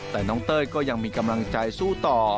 แต่น้องเต้ยก็ยังมีกำลังใจสู้ต่อ